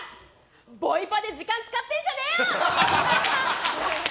ボイパで時間使ってんじゃねえよ！